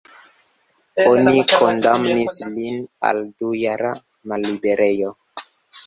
Oni kondamnis lin al dujara malliberejo.